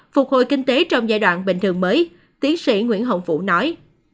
phục hồi kinh tế trong giai đoạn bình thường mới tiến sĩ nguyễn hồng vũ nói